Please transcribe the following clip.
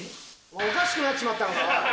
おかしくなっちまったのか。